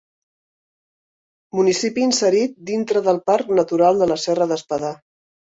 Municipi inserit dintre del Parc Natural de la Serra d'Espadà.